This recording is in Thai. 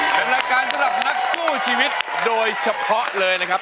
เป็นรายการสำหรับนักสู้ชีวิตโดยเฉพาะเลยนะครับ